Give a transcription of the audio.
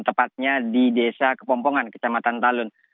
tepatnya di desa kepompongan kecamatan talun